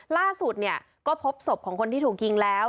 ล่าสุดเนี่ยก็พบศพของคนที่ถูกยิงแล้ว